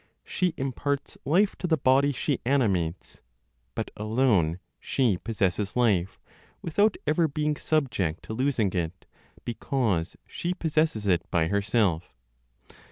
She imparts life to the body she animates; but alone she possesses life, without ever being subject to losing it, because she possesses it by herself.